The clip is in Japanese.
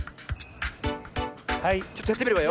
ちょっとやってみるわよ。